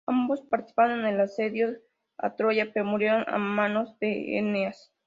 Ambos participaron en el asedio a Troya, pero murieron a manos de Eneas.